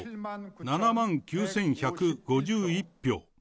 ７万９１５１票。